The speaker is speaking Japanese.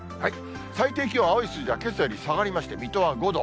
最低気温、青い数字はけさより下がりまして、水戸は５度。